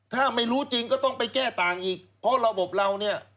ถ้าไม่รู้จริงก็ต้องไปแก้ต่างอีกเพราะระบบเราเนี่ย